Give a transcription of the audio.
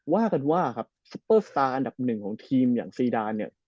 ว่ากันว่าครับซุปเปอร์สตาร์อันดับหนึ่งของทีมอย่างซีดานเนี่ย